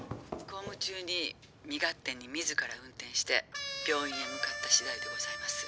「公務中に身勝手に自ら運転して病院へ向かった次第でございます」